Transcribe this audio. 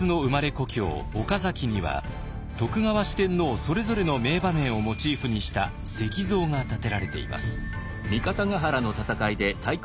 故郷岡崎には徳川四天王それぞれの名場面をモチーフにした石像が建てられています。